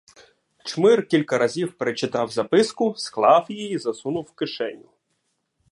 Чмир кілька разів перечитав записку, склав її й засунув у кишеню.